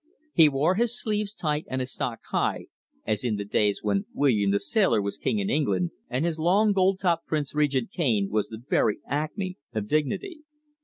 He wore his sleeves tight and his stock high, as in the days when William the Sailor was king in England, and his long gold topped Prince Regent cane was the very acme of dignity.